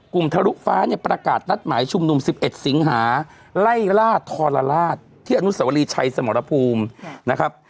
ทะลุฟ้าเนี่ยประกาศนัดหมายชุมนุม๑๑สิงหาไล่ล่าทรราชที่อนุสวรีชัยสมรภูมินะครับ